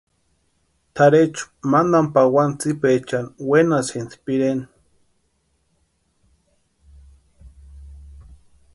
Tʼarhechu mantani pawani tsipaechani wenasïnti pireni.